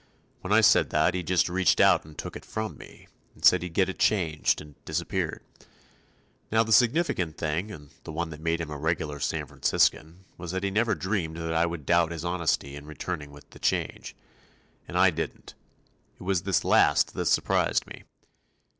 When I said that, he just reached out and took it from me, and said he'd get it changed, and disappeared. Now, the significant thing, and the one that made him a regular San Franciscan, was that he never dreamed that I would doubt his honesty in returning with the change. And I didn't. It was this last that surprised me.